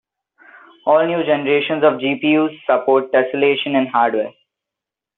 All new generations of GPUs support tesselation in hardware.